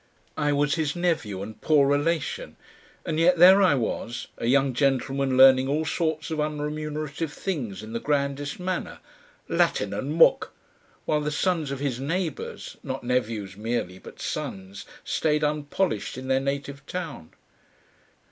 I was his nephew and poor relation, and yet there I was, a young gentleman learning all sorts of unremunerative things in the grandest manner, "Latin and mook," while the sons of his neighhours, not nephews merely, but sons, stayed unpolished in their native town.